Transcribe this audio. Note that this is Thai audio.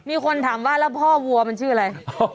มีคนถามว่าแล้วพ่อวัวมันชื่ออะไร